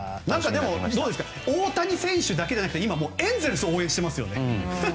でも、大谷選手だけじゃなくてエンゼルスを応援してますよね。